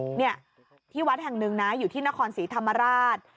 เนี่ยที่วัดแห่งหนึ่งนะอยู่ที่นครศรีธรรมราช